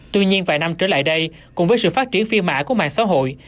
tuy nhiên vài năm trở lại đây cùng với sự phát triển phi mã của mạng xã hội